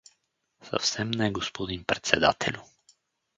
— Съвсем не, господин председателю.